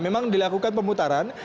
memang dilakukan pemutaran